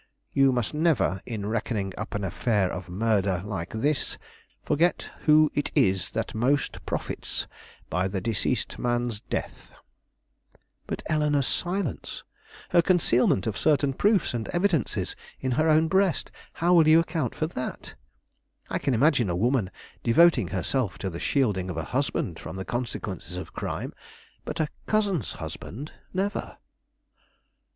You must never, in reckoning up an affair of murder like this, forget who it is that most profits by the deceased man's death." "But Eleanore's silence? her concealment of certain proofs and evidences in her own breast how will you account for that? I can imagine a woman devoting herself to the shielding of a husband from the consequences of crime; but a cousin's husband, never."